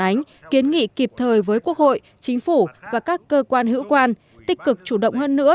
kiến nghị kịp thời với quốc hội chính phủ và các cơ quan hữu quan tích cực chủ động hơn nữa